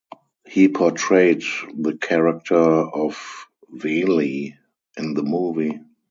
He portrayed the character of "Veli" in the movie.